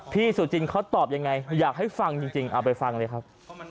สุจินเขาตอบยังไงอยากให้ฟังจริงเอาไปฟังเลยครับ